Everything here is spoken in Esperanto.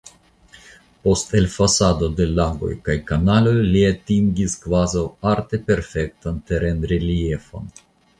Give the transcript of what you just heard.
Post elfosado de lagoj kaj kanaloj li atingis kvazaŭ arte perfektan terenreliefon.